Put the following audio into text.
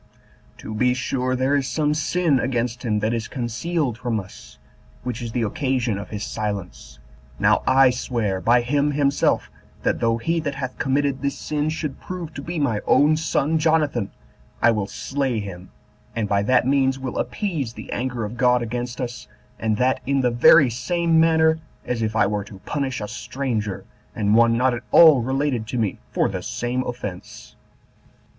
To be sure there is some sin against him that is concealed from us, which is the occasion of his silence. Now I swear by him himself, that though he that hath committed this sin should prove to be my own son Jonathan, I will slay him, and by that means will appease the anger of God against us, and that in the very same manner as if I were to punish a stranger, and one not at all related to me, for the same offense."